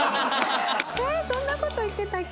えっそんな事言ってたっけ？